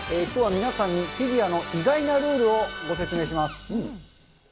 きょうは皆さんにフィギュアの意外なルールをご説明します。